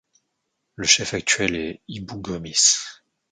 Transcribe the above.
Le chef actuel est Ibou Gomis.